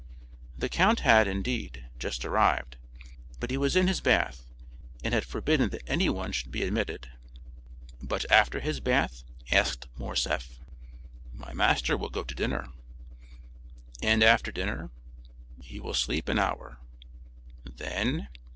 The count had, indeed, just arrived, but he was in his bath, and had forbidden that anyone should be admitted. "But after his bath?" asked Morcerf. "My master will go to dinner." "And after dinner?" "He will sleep an hour." "Then?"